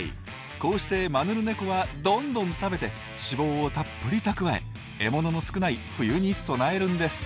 こうしてマヌルネコはどんどん食べて脂肪をたっぷり蓄え獲物の少ない冬に備えるんです。